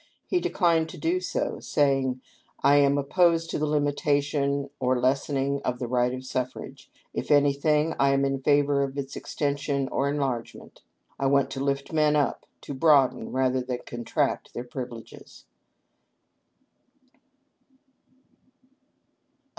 He declined to do so, saying :" I am opposed to the limitation or lessening of the right of suffrage ; if anything, I am in favor of its extension or enlargement. I want to lift men up — to broaden rather than contract their privileges."